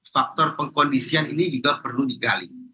faktor pengkondisian ini juga perlu digali